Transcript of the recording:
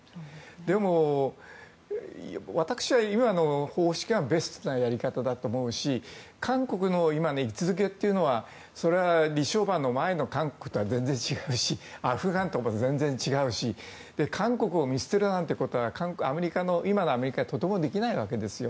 でも私は、今の方式がベストなやり方だと思うし韓国の今の位置づけは李承晩の前の韓国とは全然違うしアフガンとかとも全然違うし韓国を見捨てるなんてことは今のアメリカにはとてもできないわけですよ。